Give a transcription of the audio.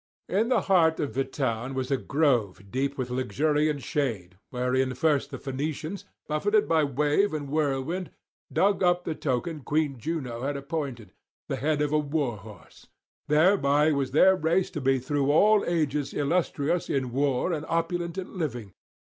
In the heart of the town was a grove deep with luxuriant shade, wherein first the Phoenicians, buffeted by wave and whirlwind, dug up the token Queen Juno had appointed, the head of a war horse: thereby was their race to be through all ages illustrious in war and opulent in living.